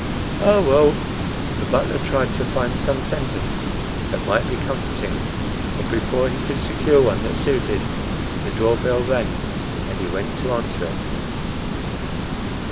"Ah! Well!—" The butler tried to find some sentence that might be comforting; but before he could secure one that suited, the door bell rang, and he went to answer it.